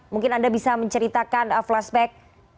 mungkin anda bisa menceritakan flashback